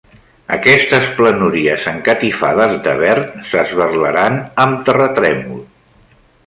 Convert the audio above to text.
Aquestes planúries encatifades de verd s'esberlaran amb terratrèmol